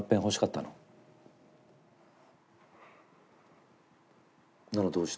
ならどうして？